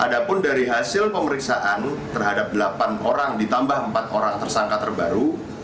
ada pun dari hasil pemeriksaan terhadap delapan orang ditambah empat orang tersangka terbaru